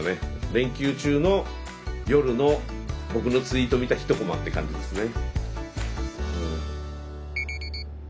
連休中の夜の僕のツイート見た１コマって感じですね。